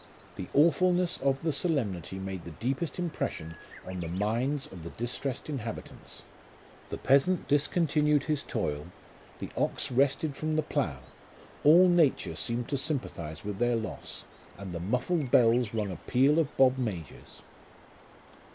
The awfulness of the solemnity made the deepest impression on the minds of the distressed inhabitants. The peasant discon tinued his toil, the ox rested from the plough ; all nature seemed to sympathize with their loss, and the muffled hells rung a peal of bob majors."